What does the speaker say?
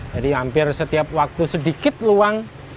jadi hampir setiap waktu sedikit luang